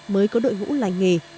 mới có đội ngũ lành nghề